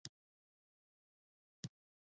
• صداقت د عزت او احترام لامل دی.